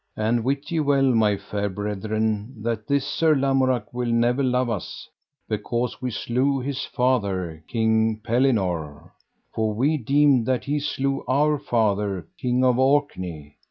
And wit ye well, my fair brethren, that this Sir Lamorak will never love us, because we slew his father, King Pellinore, for we deemed that he slew our father, King of Orkney.